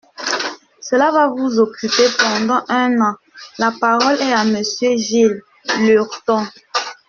Cela va vous occuper pendant un an ! La parole est à Monsieur Gilles Lurton.